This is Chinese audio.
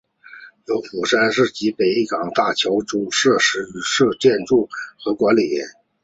由釜山市及北港大桥株式会社负责建造和管理。